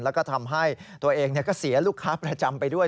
แล้วก็ทำให้ตัวเองก็เสียลูกค้าประจำไปด้วย